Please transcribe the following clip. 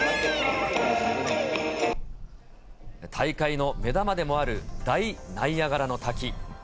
大会の目玉でもある大ナイアガラの滝。